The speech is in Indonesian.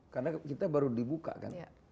karena kita baru dibuka kan